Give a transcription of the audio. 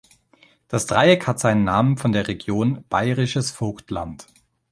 Das Dreieck hat seinen Namen von der Region "Bayerisches Vogtland".